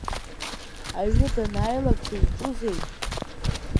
Аҩны данааилак дызҿузеи?